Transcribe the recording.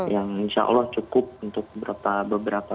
yang insya allah cukup untuk beberapa